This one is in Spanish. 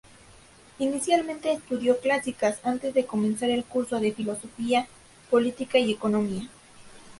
Inicialmente estudió Clásicas antes de comenzar el Curso de Filosofía, Política y Economía.